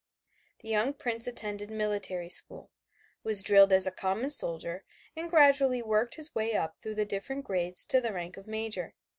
The young prince attended military school, was drilled as a common soldier and gradually worked his way up through the different grades to the rank of Major.